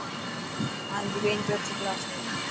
مانجي ٻين چوتي ڪلاس ۾.